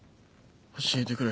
教えてくれ。